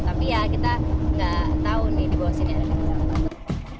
tapi ya kita nggak tahu nih di bawah sini ada di sana